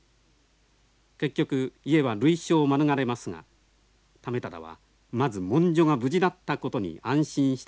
結局家は類焼を免れますが為理はまず文書が無事だったことに安心したと記しています。